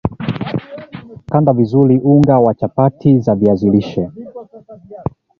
kanda vizuri unga wa chapati za viazi lishe